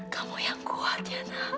kamu yang kuat ya nak